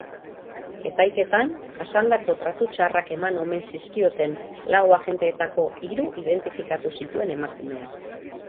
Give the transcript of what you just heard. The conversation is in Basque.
Epaiketan, jasandako tratu txarrak eman omen zizkiotenlau agenteetako hiru identifikatu zituen emakumeak.